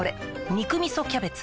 「肉みそキャベツ」